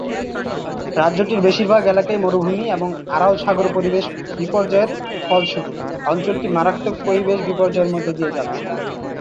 রাজ্যটির বেশিরভাগ এলাকাই মরুভূমি এবং আরাল সাগর পরিবেশ বিপর্যয়ের ফলস্বরূপ অঞ্চলটি মারাত্মক পরিবেশ বিপর্যয়ের মধ্য দিয়ে যাচ্ছে।